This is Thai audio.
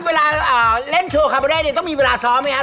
เวลาเล่นโชว์คับเบอร์ได้ต้องมีเวลาซ้อมไหมครับ